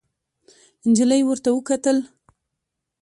نجلۍ ورته وکتل.